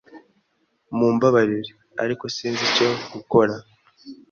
Mumbabarire, ariko sinzi icyo gukora.